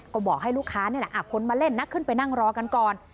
ก็บอกให้ลูกค้านี่แหละคนมาเล่นนะขึ้นไปนั่งรอกันก่อน